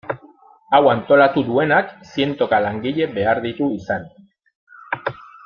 Hau antolatu duenak zientoka langile behar ditu izan.